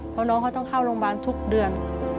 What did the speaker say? เพราะน้องเขาต้องเข้าโรงพยาบาลทุกเดือน